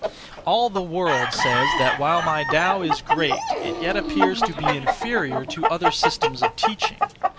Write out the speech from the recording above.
All the world says that, while my Tao is great, it yet appears to be inferior (to other systems of teaching).